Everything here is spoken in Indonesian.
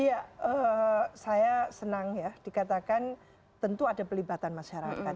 iya saya senang ya dikatakan tentu ada pelibatan masyarakat